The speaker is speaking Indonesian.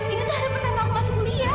ini tadi pertama aku masuk kuliah